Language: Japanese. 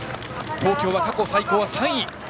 東京は過去最高が３位。